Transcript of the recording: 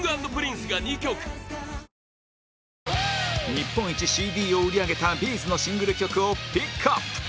日本一 ＣＤ を売り上げた Ｂ’ｚ のシングル曲をピックアップ